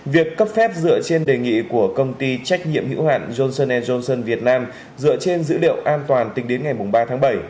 việc cấp phép dựa trên đề nghị của công ty trách nhiệm hữu hạn johnson johnson việt nam dựa trên dữ liệu an toàn tính đến ngày ba tháng bảy